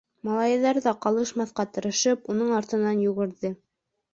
Малайҙар ҙа, ҡалышмаҫҡа тырышып, уның артынан йүгерҙе.